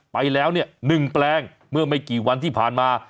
ไปแล้ว๑แปลงเมื่อไม่กี่วันที่ผ่านมา